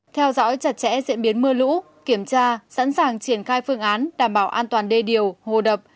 theo dõi chặt chẽ diễn biến mưa lũ kiểm tra sẵn sàng triển khai phương án đảm bảo an toàn đê điều hồ đập